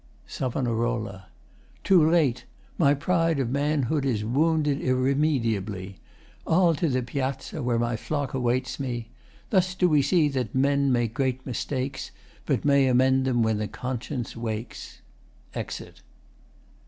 SAV. Too late! My pride of manhood Is wounded irremediably. I'll To the Piazza, where my flock awaits me. Thus do we see that men make great mistakes But may amend them when the conscience wakes. [Exit.